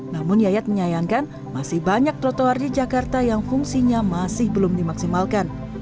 namun yayat menyayangkan masih banyak trotoar di jakarta yang fungsinya masih belum dimaksimalkan